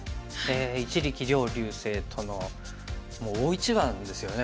一力遼竜星とのもう大一番ですよね。